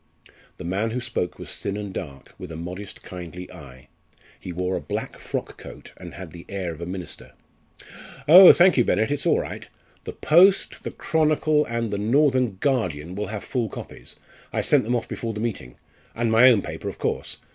The man who spoke was thin and dark, with a modest kindly eye. He wore a black frock coat, and had the air of a minister. "Oh, thank you, Bennett, it's all right. The Post, the Chronicle, and the Northern Guardian will have full copies. I sent them off before the meeting. And my own paper, of course.